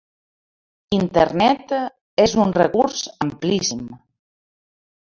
Internet és un recurs amplíssim.